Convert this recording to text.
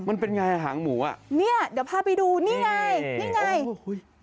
มันเป็นไรฮางหมูนี่เดี๋ยวพาไปดูนี้ไงนี่ไง